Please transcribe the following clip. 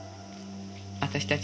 私たち